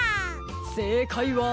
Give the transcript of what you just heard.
せいかいは。